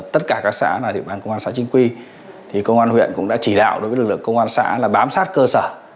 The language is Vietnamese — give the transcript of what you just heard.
tất cả các xã là địa bàn công an xã chính quy thì công an huyện cũng đã chỉ đạo đối với lực lượng công an xã là bám sát cơ sở